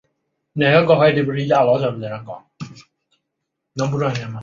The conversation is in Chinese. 它是许昌市重点高中和河南省首批示范性高中。